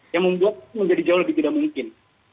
yang membuat menjadi jauh lebih tidak mungkin